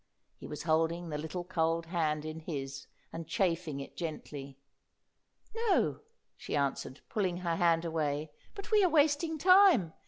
He was holding the little cold hand in his and chafing it gently. "No," she answered, pulling her hand away; "but we are wasting time. Mrs.